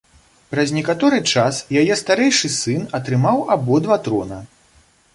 Праз некаторы час яе старэйшы сын атрымаў абодва трона.